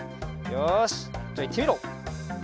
よしじゃあいってみろ。